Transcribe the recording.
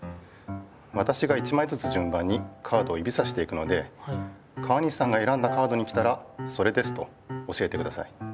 わたしが一まいずつじゅん番にカードをゆびさしていくので川西さんがえらんだカードに来たら「それです」と教えてください。